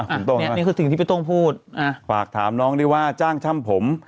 อันนี้คือสิ่งที่พี่ต้งพูดอ่าฝากถามน้องด้วยว่าจ้างช่ำผม